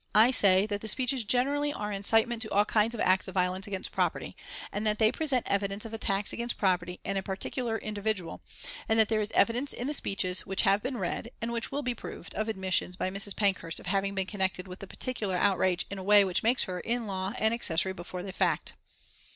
"I say that the speeches generally are incitement to all kinds of acts of violence against property, and that they present evidence of attacks against property and a particular individual, and that there is evidence in the speeches which have been read, and which will be proved, of admissions by Mrs. Pankhurst of having been connected with the particular outrage in a way which makes her in law an accessory before the fact."